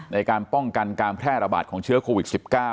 ในการป้องกันการแพร่ระบาดของเชื้อโควิด๑๙